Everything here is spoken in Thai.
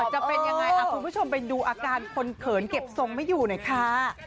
จะเป็นยังไงคุณผู้ชมไปดูอาการคนเขินเก็บทรงไม่อยู่หน่อยค่ะ